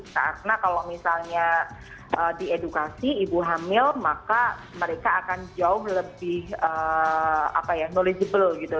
karena kalau misalnya diedukasi ibu hamil maka mereka akan jauh lebih knowledgeable gitu